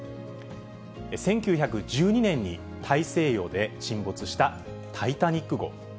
１９１２年に大西洋で沈没したタイタニック号。